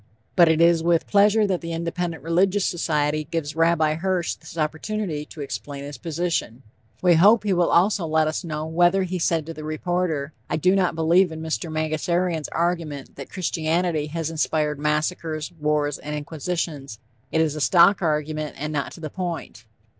But it is with pleasure that the Independent Religious Society gives Rabbi Hirsch this opportunity to explain his position. We hope he will also let us know whether he said to the reporter: "I do not believe in Mr. Mangasarian's argument that Christianity has inspired massacres, wars and inquisitions. It is a stock argument and not to the point."